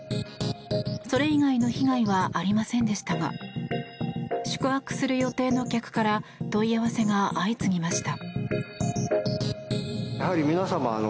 それ以外の被害はありませんでしたが宿泊する予定の客から問い合わせが相次ぎました。